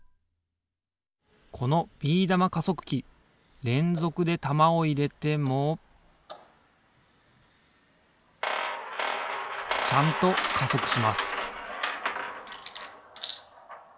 このビー玉加速器れんぞくで玉をいれてもちゃんと加速します